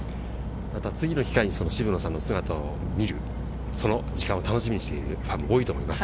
また次の機会に、その渋野さんの姿を見る、その時間を楽しみにしているファンも多いと思います。